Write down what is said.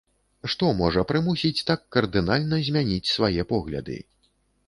Што можа прымусіць так кардынальна змяніць свае погляды?